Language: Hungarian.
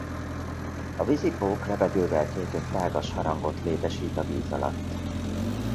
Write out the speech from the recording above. A vízipók levegővel töltött tágas harangot létesít a víz alatt.